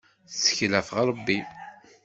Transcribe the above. Tettkel ɣef Rebbi.